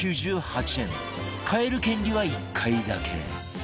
買える権利は１回だけ